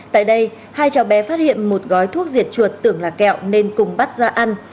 tại đây hai cháu bé phát hiện một gói thuốc diệt chuột tưởng là kẹo nên cùng bắt ra ăn